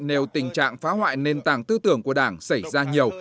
nếu tình trạng phá hoại nền tảng tư tưởng của đảng xảy ra nhiều